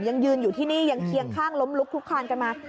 ยังยืนอยู่ที่นี่ยังเคียงข้างล้มลุกลุกคลานกันมา